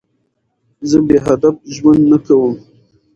زه بېهدف ژوند نه کوم.